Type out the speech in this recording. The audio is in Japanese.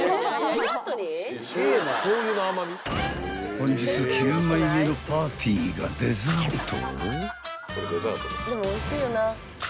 ［本日９枚目のパティがデザート？］